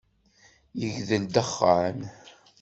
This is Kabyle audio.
Yegdel dexxan!